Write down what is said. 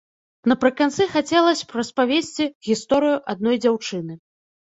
Напрыканцы хацелася б распавесці гісторыю адной дзяўчыны.